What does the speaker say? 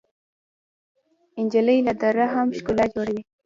نجلۍ له درده هم ښکلا جوړوي.